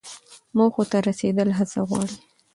موخو ته رسیدل هڅه غواړي.